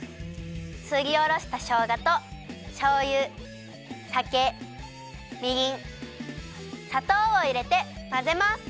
すりおろしたしょうがとしょうゆさけみりんさとうをいれてまぜます！